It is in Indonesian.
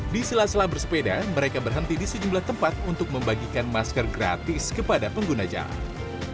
di sela sela bersepeda mereka berhenti di sejumlah tempat untuk membagikan masker gratis kepada pengguna jalan